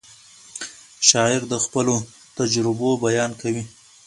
شاعر د خپلو تجربو بیان کوي.